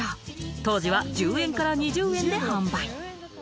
当時は１０円から２０円で販売。